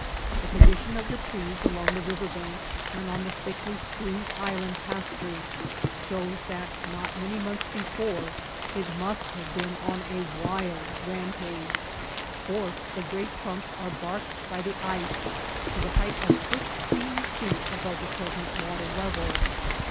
The condition of the trees along the river banks and on the thickly strewn island pastures, shows that not many months before it must have been on a wild rampage, for the great trunks are barked by the ice to the height of fifteen feet above the present water level.